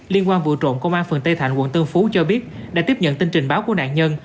liên quan vụ trộm công an phường tây thạnh quận tân phú cho biết đã tiếp nhận tin trình báo của nạn nhân